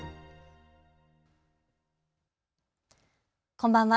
こんばんは。